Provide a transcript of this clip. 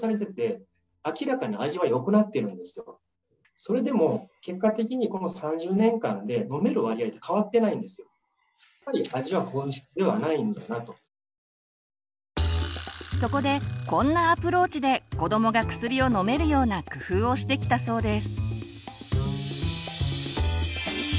それでも結果的にこの３０年間でそこでこんなアプローチで子どもが薬を飲めるような工夫をしてきたそうです。